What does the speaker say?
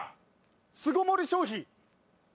巣ごもり消費。